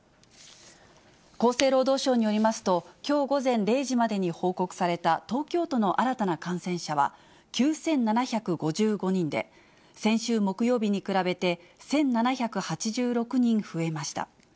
厚生労働省によりますと、きょう午前０時までに報告された東京都の新たな感染者は、９７５５人で、先週木曜日に比べて、１７８６人増えました。